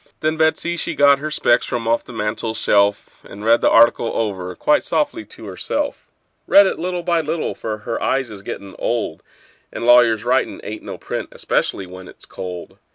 Then Betsey she got her specs from off the mantel shelf, And read the article over quite softly to herself; Read it by little and little, for her eyes is gettin' old, And lawyers' writin' ain't no print, especially when it's cold.